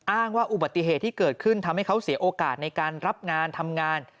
อ้างว่าอุบัติเหตุที่เกิดขึ้นทำให้เขาเสียโอกาสในการรับงานทำงาน